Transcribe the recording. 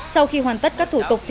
sau khi hoàn tất các thủ tục